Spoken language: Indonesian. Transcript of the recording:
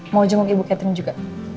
mau jenguk ibu catherine juga